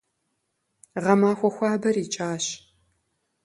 Гъэмахуэ хуабэр икӀащ.